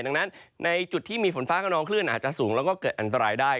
ดังนั้นในจุดที่มีฝนฟ้ากระนองคลื่นอาจจะสูงแล้วก็เกิดอันตรายได้